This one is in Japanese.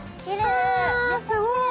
あすごい！